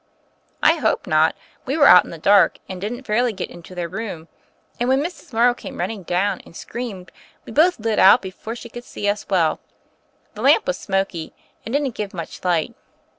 "I hope not. We were out in the dark, and didn't fairly get into their room; and when Mrs. Morrow came running down and screamed we both lit out before she could see us well. The lamp was smoky, and didn't give much light.